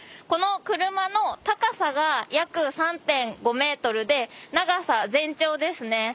この車の高さが約３．５ｍで長さ全長ですね